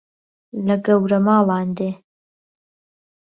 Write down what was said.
لە گەورە ماڵان دێ